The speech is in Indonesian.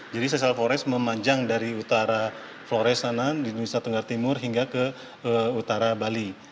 jadi sesar flores memanjang dari utara flores sana di indonesia tenggara timur hingga ke utara bali